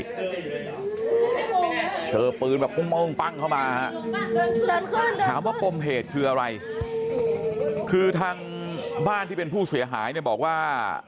เจอปืนแบบปุ้งปั้งเข้ามาฮะถามว่าปมเหตุคืออะไรคือทางบ้านที่เป็นผู้เสียหายเนี่ยบอกว่า